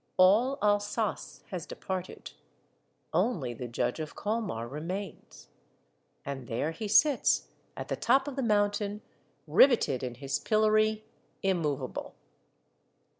All Alsace has departed. Only the Judge of Colmar remains. And there he sits at the top of the mountain, riveted in his pillory, immovable.